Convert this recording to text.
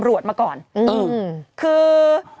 คุณสันทนาบอกเป็นแบบนั้นนะคะเพราะว่าเขาดูออกเขาเคยเป็นตำรวจมาก่อน